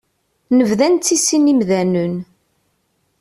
Nebda nettissin imdanen.